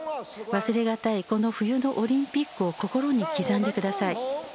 忘れがたいこの冬のオリンピックを心に刻んでください。